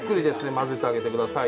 混ぜてあげてください。